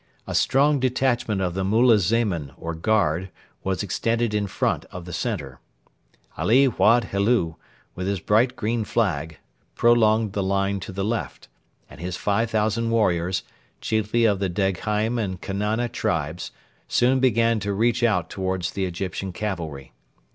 A strong detachment of the mulazemin or guard was extended in front of the centre. Ali Wad Helu, with his bright green flag, prolonged the line to the left; and his 5,000 warriors, chiefly of the Degheim and Kenana tribes, soon began to reach out towards the Egyptian cavalry.